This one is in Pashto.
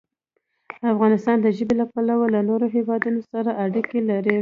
افغانستان د ژبې له پلوه له نورو هېوادونو سره اړیکې لري.